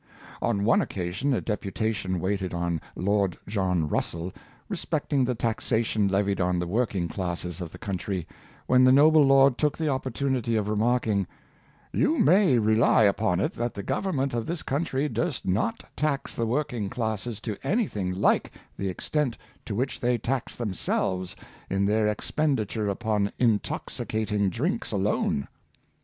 On one occasion a deputation waited on Lord John Russell, re specting the taxation levied on the working classes of the country, when the noble lord took the opportunity of remarking, " You may rely upon it that the Govern ment of this country durst not tax the working classes to anything like the extent to which they tax themselves in their expenditure upon intoxicating drinks alone!